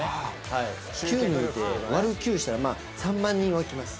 ９人いて割る９したら３万人は来ます